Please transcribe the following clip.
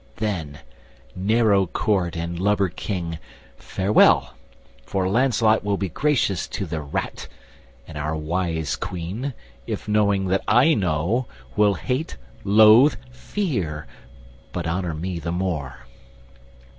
Then, narrow court and lubber King, farewell! For Lancelot will be gracious to the rat, And our wise Queen, if knowing that I know, Will hate, loathe, fear—but honour me the more."